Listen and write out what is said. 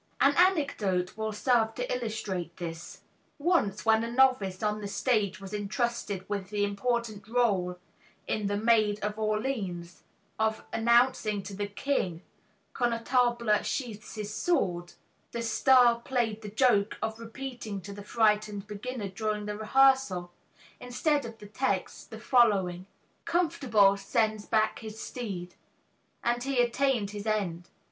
An anecdote will serve to illustrate this. Once when a novice on the stage was entrusted with the important role in The Maid of Orleans of announcing to the King, "Connétable sheathes his sword," the star played the joke of repeating to the frightened beginner during the rehearsal, instead of the text, the following, "Comfortable sends back his steed," and he attained his end.